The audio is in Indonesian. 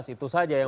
itu saja yang